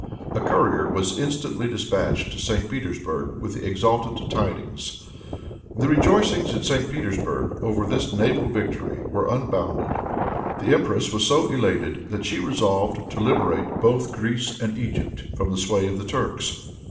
A courier was instantly dispatched to St. Petersburg with the exultant tidings. The rejoicings in St. Petersburg, over this naval victory, were unbounded. The empress was so elated that she resolved to liberate both Greece and Egypt from the sway of the Turks.